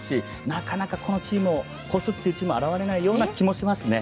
なかなかこのチームを超すというチームは現れないような気もしますね。